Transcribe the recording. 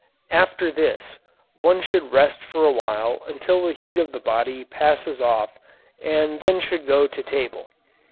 After this one should rest for a while until the heat of the body passes off and then should go to table.